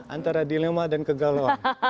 antara dilema dan kegalauan